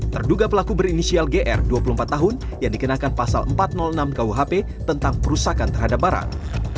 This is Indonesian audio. terduga pelaku berinisial gr dua puluh empat tahun yang dikenakan pasal empat ratus enam kuhp tentang perusakan terhadap barang